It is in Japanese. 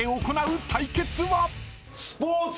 スポーツ